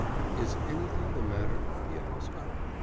"Is anything the matter?" he asked.